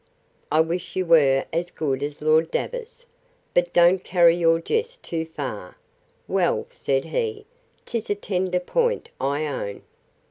I wish you were as good as Lord Davers.—But don't carry your jest too far. Well, said he, 'tis a tender point, I own.